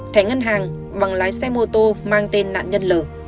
thẻ ngân hàng bằng lái xe mô tô mang tên nạn nhân l